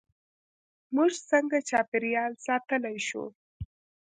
موږ څنګه چاپیریال ساتلی شو؟